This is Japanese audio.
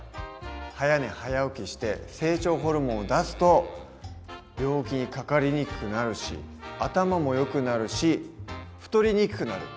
早寝早起きして成長ホルモンを出すと病気にかかりにくくなるし頭もよくなるし太りにくくなる。